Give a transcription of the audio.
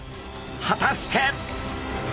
果たして。